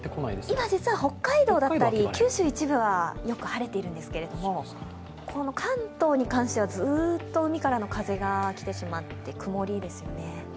今、実は北海道だったり、九州の一部はよく晴れているんですが、関東に関してはずっと海からの風が来てしまって曇りですね。